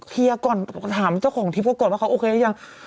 คุยก่อนถามเจ้าของทิพย์กันว่าเค้าโอเคไหม